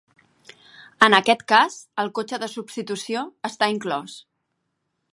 En aquest cas el cotxe de substitució està inclòs.